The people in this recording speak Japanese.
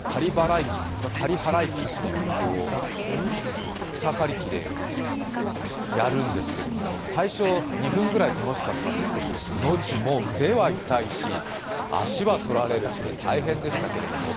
刈り払い機という草刈り機でやるんですけども、最初、２分ぐらい楽しかったんですけど、そのうち、もう腕は痛いし、足は取られるしで大変でしたけれども。